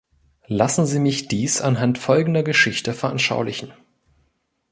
Lassen Sie mich dies anhand folgender Geschichte veranschaulichen.